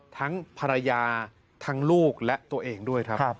ทั้งภรรยาทั้งลูกและตัวเองด้วยครับ